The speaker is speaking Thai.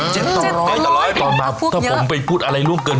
ร้อยต่อร้อยต่อมาถ้าผมไปพูดอะไรร่วงเกิน